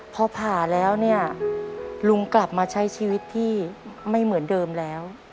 พอผ่าแล้วเนี่ยลุงกลับมาใช้ชีวิตที่ไม่เหมือนเดิมแล้ว